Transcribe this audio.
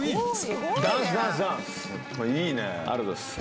ありがとうございます。